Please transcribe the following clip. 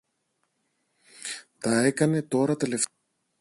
Τα έκανε τώρα τελευταία.